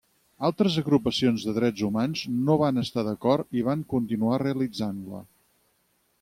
Altres agrupacions de drets humans no van estar d'acord i van continuar realitzant-la.